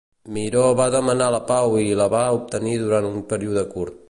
Miro va demanar la pau i la va obtenir durant un període curt.